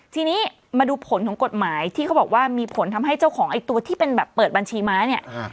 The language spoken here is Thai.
ทีนี้มาดูผลของกฎหมายที่เขาบอกว่ามีผลทำให้เจ้าของไอ้ตัวที่เป็นแบบเปิดบัญชีม้าเนี่ย